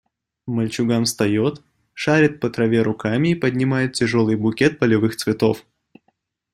Мальчуган встает, шарит по траве руками и поднимает тяжелый букет полевых цветов.